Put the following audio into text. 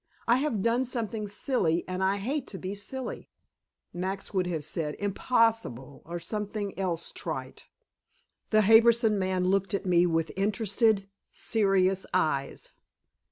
I have done something silly, and I hate to be silly." Max would have said "Impossible," or something else trite. The Harbison man looked at me with interested, serious eyes.